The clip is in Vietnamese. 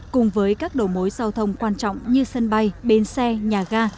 cùng với các đồ mối giao thông quan trọng như sân bay bến xe nhà ga